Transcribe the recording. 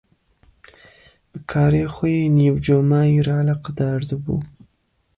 Bi karê xwe yê nîvcomayî re eleqedar dibû.